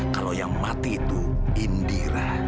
kalau yang mati itu indira